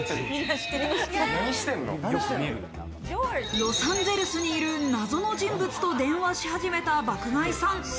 ロサンゼルスにいる謎の人物と電話し始めた爆買いさん。